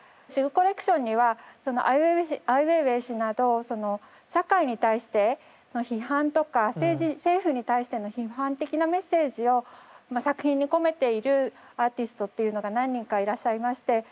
シグコレクションにはそのアイウェイウェイ氏など社会に対しての批判とか政府に対しての批判的なメッセージを作品に込めているアーティストというのが何人かいらっしゃいまして。